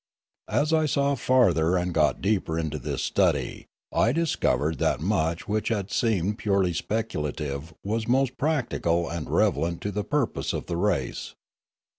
As I saw farther and got deeper into this study I discovered that much which had seemed purely speculative was most practical and relevant to the purpose of the race.